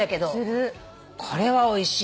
これはおいしい。